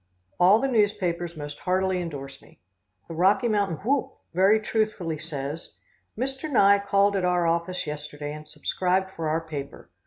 All the newspapers most heartily indorse me. The Rocky Mountain Whoop very truthfully says: "Mr. Nye called at our office yesterday and subscribed for our paper.